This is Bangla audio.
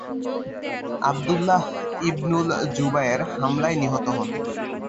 আবদুল্লাহ ইবনুল জুবায়ের হামলায় নিহত হন।